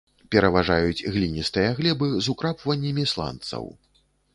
Пераважаюць гліністыя глебы з украпваннямі сланцаў.